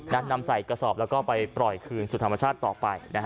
นำใส่กระสอบแล้วก็ไปปล่อยคืนสู่ธรรมชาติต่อไปนะฮะ